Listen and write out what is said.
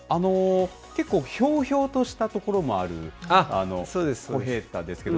結構ひょうひょうとしたところもある小平太ですけど。